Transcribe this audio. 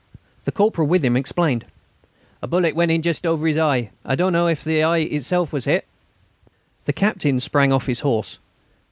The corporal with him explained: "A bullet went in just over his eye. I don't know if the eye itself was hit." The Captain sprang off his horse.